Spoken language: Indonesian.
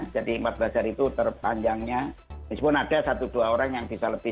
jadi empat belas hari itu terpanjangnya walaupun ada satu dua orang yang bisa lebih